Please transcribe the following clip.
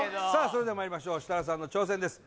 それではまいりましょう設楽さんの挑戦です